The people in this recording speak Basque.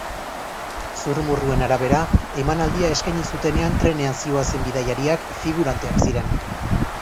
Zurrumurruen arabera, emanaldia eskaini zutenean trenean zihoazen bidaiariak figuranteak ziren.